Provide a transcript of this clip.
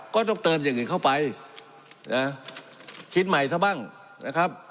ก็ต้องเติมอย่างอื่นเข้าไปนะคิดใหม่ซะบ้างนะครับ